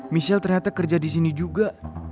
michelle ternyata kerja disini juga